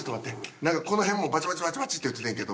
何かこの辺もバチバチバチバチっていっててんけど。